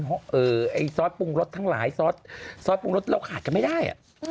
เพราะไอ้ซอสปรุงรสทั้งหลายซอสปรุงรสเราขาดกันไม่ได้